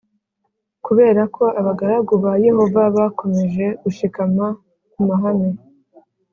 Kubera ko abagaragu ba Yehova bakomeje gushikama ku mahame